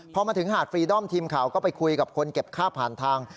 พอมาถึงหาดฟรีดอมทีมข่าวก็ไปคุยกับคนเก็บค่าผ่านทาง